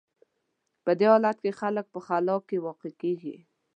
په دې حالت کې خلک په خلا کې واقع کېږي.